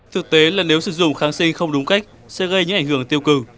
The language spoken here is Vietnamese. thực tế là nếu sử dụng kháng sinh không đúng cách sẽ gây những ảnh hưởng tiêu cực